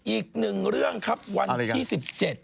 อีกหนึ่งเรื่องครับวันที่๑๗